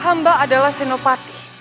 hamba adalah senopati